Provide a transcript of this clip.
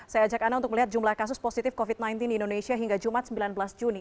saya ajak anda untuk melihat jumlah kasus positif covid sembilan belas di indonesia hingga jumat sembilan belas juni